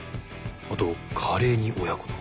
あとカレーに親子丼。